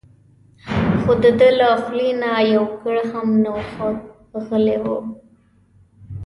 خو دده له خولې نه یو ګړ هم نه خوت غلی و.